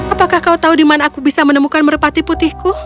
apakah kau tahu di mana aku bisa menemukan merpati putihku